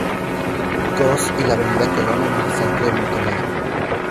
Coss y la Avenida Colon en el centro de Monterrey.